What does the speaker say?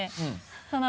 その。